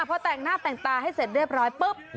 เพราะแต่งหน้าแต่งตาให้เสร็จเรียบร้อย